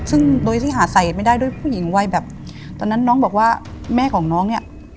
ซึ่งโดยที่หาใส่ไม่ได้ด้วยผู้หญิงวัยแบบตอนนั้นน้องบอกว่าแม่ของน้องเนี่ย